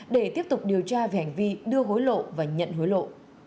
để tiếp tục điều tra về hành vi đưa hối lộ và nhận hối lộ